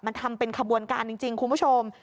มันทำเป็นขบวนการจริงคุณผู้ชม